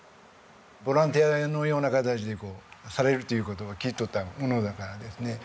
ボランティアのような形でこうされるという事を聞いとったものだからですね